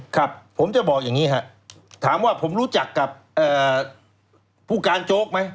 ครับผมจะบอกอย่างนี้ครับถามว่าผมรู้จักกับผู้การโจ๊กไหม